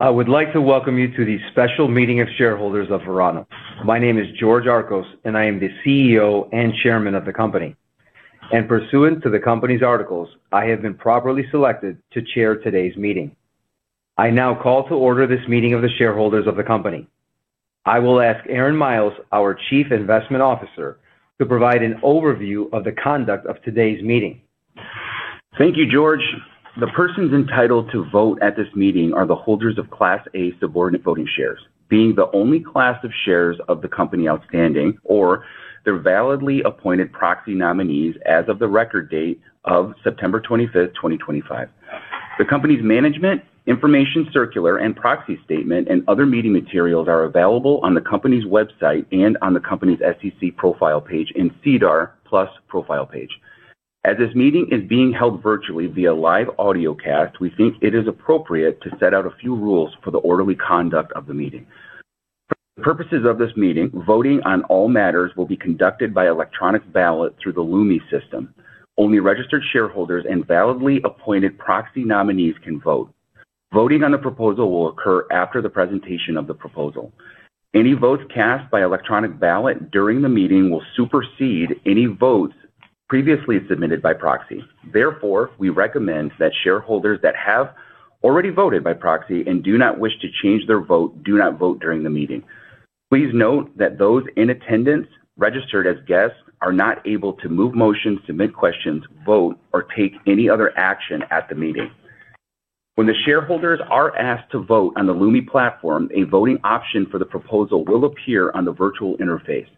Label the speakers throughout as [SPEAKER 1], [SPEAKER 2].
[SPEAKER 1] I would like to welcome you to the special meeting of shareholders of Verano. My name is George Archos, and I am the CEO and Chairman of the company. Pursuant to the company's articles, I have been properly selected to chair today's meeting. I now call to order this meeting of the shareholders of the company. I will ask Aaron Miles, our Chief Investment Officer, to provide an overview of the conduct of today's meeting.
[SPEAKER 2] Thank you, George. The persons entitled to vote at this meeting are the holders of Class A subordinate voting shares, being the only class of shares of the company outstanding, or their validly appointed proxy nominees as of the record date of September 25th, 2025. The company's management information circular and proxy statement and other meeting materials are available on the company's website and on the company's SEC profile page and SEDAR+ profile page. As this meeting is being held virtually via live audio cast, we think it is appropriate to set out a few rules for the orderly conduct of the meeting. For the purposes of this meeting, voting on all matters will be conducted by electronic ballot through the Lumi system. Only registered shareholders and validly appointed proxy nominees can vote. Voting on the proposal will occur after the presentation of the proposal. Any votes cast by electronic ballot during the meeting will supersede any votes previously submitted by proxy. Therefore, we recommend that shareholders that have already voted by proxy and do not wish to change their vote do not vote during the meeting. Please note that those in attendance registered as guests are not able to move motions, submit questions, vote, or take any other action at the meeting. When the shareholders are asked to vote on the Lumi platform, a voting option for the proposal will appear on the virtual interface.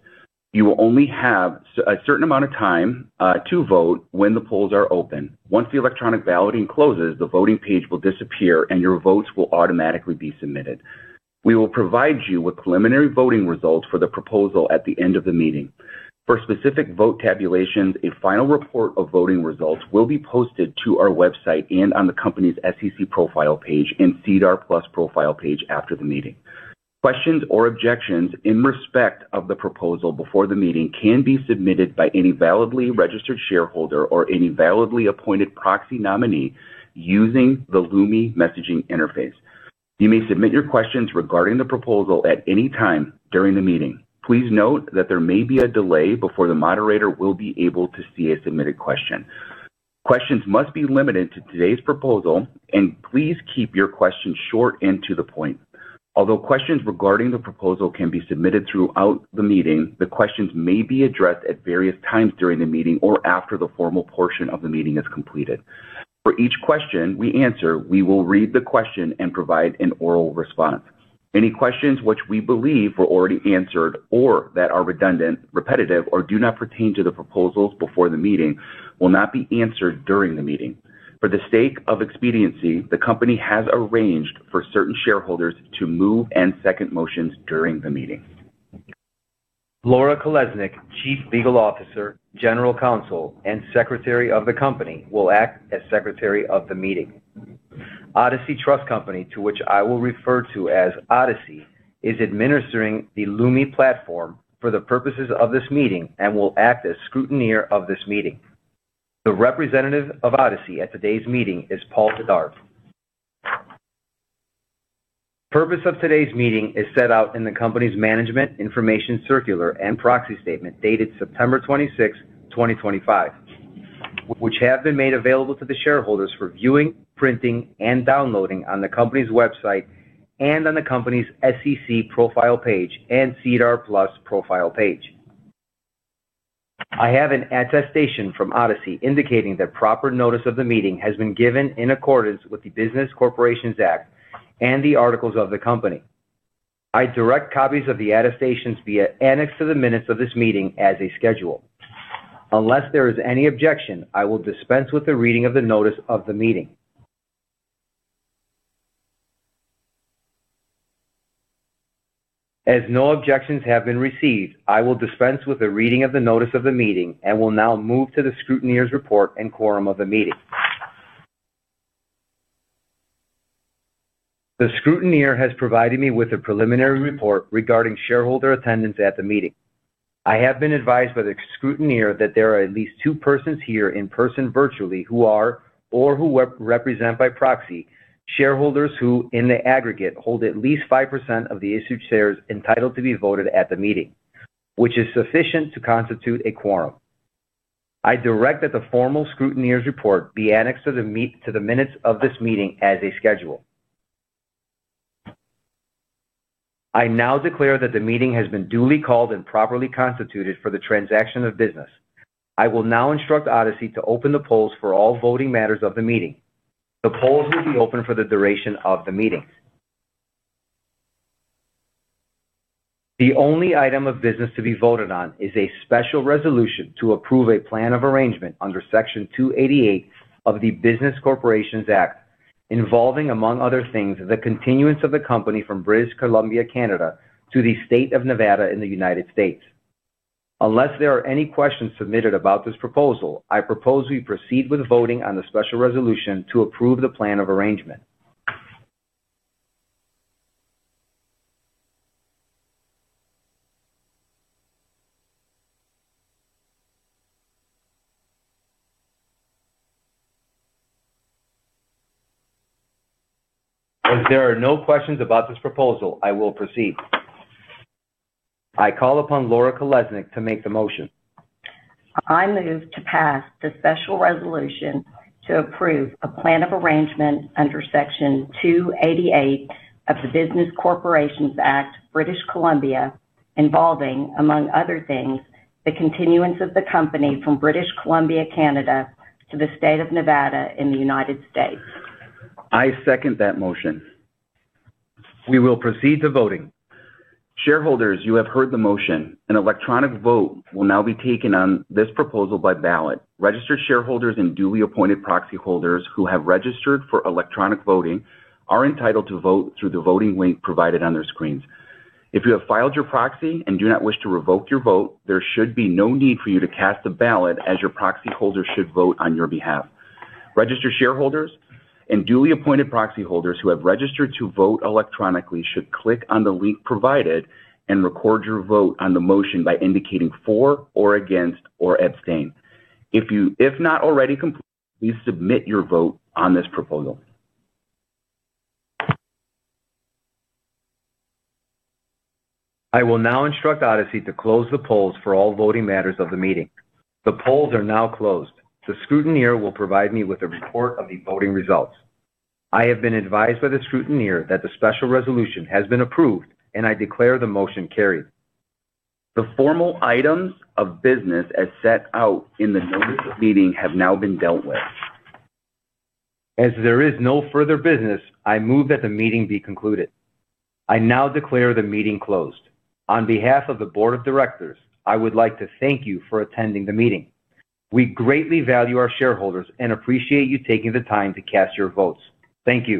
[SPEAKER 2] You will only have a certain amount of time to vote when the polls are open. Once the electronic balloting closes, the voting page will disappear and your votes will automatically be submitted. We will provide you with preliminary voting results for the proposal at the end of the meeting. For specific vote tabulations, a final report of voting results will be posted to our website and on the company's SEC profile page and SEDAR+ profile page after the meeting. Questions or objections in respect of the proposal before the meeting can be submitted by any validly registered shareholder or any validly appointed proxy nominee using the Lumi messaging interface. You may submit your questions regarding the proposal at any time during the meeting. Please note that there may be a delay before the moderator will be able to see a submitted question. Questions must be limited to today's proposal, and please keep your questions short and to the point. Although questions regarding the proposal can be submitted throughout the meeting, the questions may be addressed at various times during the meeting or after the formal portion of the meeting is completed. For each question we answer, we will read the question and provide an oral response. Any questions which we believe were already answered or that are redundant, repetitive, or do not pertain to the proposals before the meeting will not be answered during the meeting. For the sake of expediency, the company has arranged for certain shareholders to move and second motions during the meeting.
[SPEAKER 1] Laura Kalesnik, Chief Legal Officer, General Counsel, and Secretary of the Company will act as Secretary of the Meeting. Odyssey Trust Company, to which I will refer to as Odyssey, is administering the Lumi platform for the purposes of this meeting and will act as scrutineer of this meeting. The representative of Odyssey at today's meeting is Paul Tadarvi. The purpose of today's meeting is set out in the company's management information circular and proxy statement dated September 26, 2025, which have been made available to the shareholders for viewing, printing, and downloading on the company's website and on the company's SEC profile page and SEDAR+ profile page. I have an attestation from Odyssey indicating that proper notice of the meeting has been given in accordance with the Business Corporations Act and the articles of the company. I direct copies of the attestations via annex to the minutes of this meeting as a schedule. Unless there is any objection, I will dispense with the reading of the notice of the meeting. As no objections have been received, I will dispense with a reading of the notice of the meeting and will now move to the scrutineer's report and quorum of the meeting. The scrutineer has provided me with a preliminary report regarding shareholder attendance at the meeting. I have been advised by the scrutineer that there are at least two persons here in person virtually who are, or who represent by proxy, shareholders who in the aggregate hold at least 5% of the issued shares entitled to be voted at the meeting, which is sufficient to constitute a quorum. I direct that the formal scrutineer's report be annexed to the minutes of this meeting as a schedule. I now declare that the meeting has been duly called and properly constituted for the transaction of business. I will now instruct Odyssey to open the polls for all voting matters of the meeting. The polls will be open for the duration of the meeting. The only item of business to be voted on is a special resolution to approve a plan of arrangement under Section 288 of the Business Corporations Act involving, among other things, the continuance of the company from British Columbia, Canada, to the state of Nevada in the United States. Unless there are any questions submitted about this proposal, I propose we proceed with voting on the special resolution to approve the plan of arrangement. As there are no questions about this proposal, I will proceed. I call upon Laura Kalesnik to make the motion.
[SPEAKER 3] I move to pass the special resolution to approve a plan of arrangement under Section 288 of the Business Corporations Act, British Columbia, involving, among other things, the continuance of the company from British Columbia, Canada, to the state of Nevada in the United States.
[SPEAKER 2] I second that motion.
[SPEAKER 1] We will proceed to voting. Shareholders, you have heard the motion. An electronic vote will now be taken on this proposal by ballot. Registered shareholders and duly appointed proxy holders who have registered for electronic voting are entitled to vote through the voting link provided on their screens. If you have filed your proxy and do not wish to revoke your vote, there should be no need for you to cast a ballot as your proxy holder should vote on your behalf. Registered shareholders and duly appointed proxy holders who have registered to vote electronically should click on the link provided and record your vote on the motion by indicating for or against or abstain. If not already completed, please submit your vote on this proposal. I will now instruct Odyssey to close the polls for all voting matters of the meeting. The polls are now closed. The scrutineer will provide me with a report of the voting results. I have been advised by the scrutineer that the special resolution has been approved and I declare the motion carried. The formal items of business as set out in the notice of meeting have now been dealt with. As there is no further business, I move that the meeting be concluded. I now declare the meeting closed. On behalf of the Board of Directors, I would like to thank you for attending the meeting. We greatly value our shareholders and appreciate you taking the time to cast your votes. Thank you.